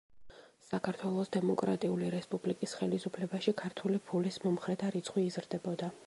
საქართველოს დემოკრატიული რესპუბლიკის ხელისუფლებაში ქართული ფულის მომხრეთა რიცხვი იზრდებოდა.